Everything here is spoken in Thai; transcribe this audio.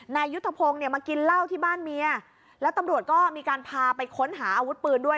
นายยุทธพงศ์เนี่ยมากินเหล้าที่บ้านเมียแล้วตำรวจก็มีการพาไปค้นหาอาวุธปืนด้วย